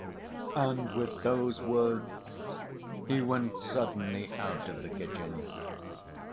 And with those words he went suddenly out of the kitchen.